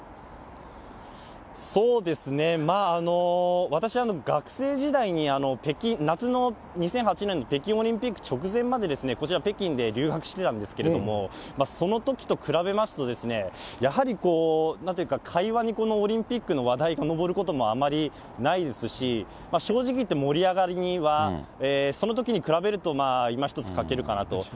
そうですね、まあ、私、学生時代に夏の、２００８年の北京オリンピック直前まで、こちら北京で留学してたんですけども、そのときと比べますと、やはりこう、なんというか、会話にオリンピックの話題が上ることもあまりないですし、正直言って、盛り上がりには、そのときに比べるといまひとつ欠けるかなと。